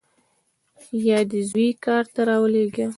یا دې زوی کار ته راولېږه.